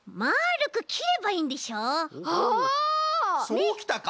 そうきたか！